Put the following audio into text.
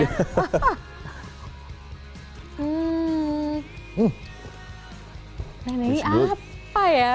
nenek apa ya